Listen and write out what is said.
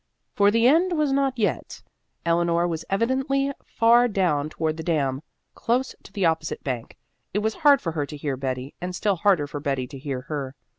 For the end was not yet. Eleanor was evidently far down toward the dam, close to the opposite bank. It was hard for her to hear Betty, and still harder for Betty to hear her.